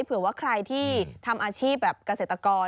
เผื่อว่าใครที่ทำอาชีพแบบเกษตรกร